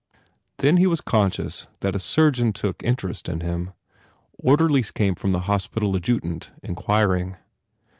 Then he was conscious that a surgeon took in terest in him. Orderlies came from the hospital adjutant inquiring.